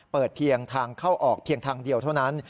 เปิดเพียงทางเข้าออกเพียงทางเดียวเท่านั้น